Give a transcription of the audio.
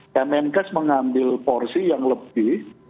kemenkes mengambil porsi yang lebih